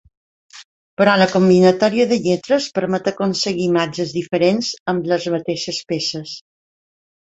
Però la combinatòria de lletres permet aconseguir imatges diferents amb les mateixes peces.